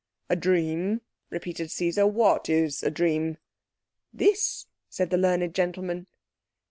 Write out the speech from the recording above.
"A dream?" repeated Caesar. "What is a dream?" "This," said the learned gentleman.